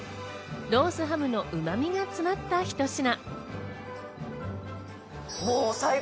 ロースハムのうま味が詰まったひと品。